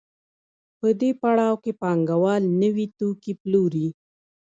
په دې پړاو کې پانګوال نوي توکي پلوري